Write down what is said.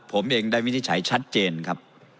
ผมเองได้วินิจฉัยชัดเจนครับ